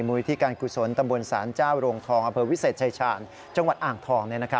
ที่การกุศลตำบลศาลเจ้าโรงทองอำเภอวิเศษชายชาญจังหวัดอ่างทอง